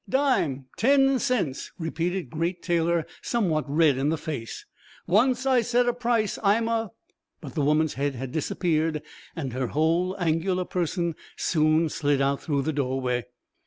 "Dime ... Ten cents," repeated Great Taylor, somewhat red in the face. "Once I set a price I'm a ..." But the woman's head had disappeared and her whole angular person soon slid out through the doorway.